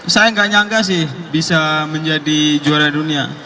saya nggak nyangka sih bisa menjadi juara dunia